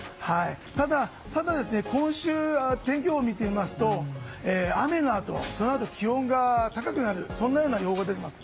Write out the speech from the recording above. ただ、今週の天気予報を見てみますと雨のあと、気温が高くなるような予報が出ています。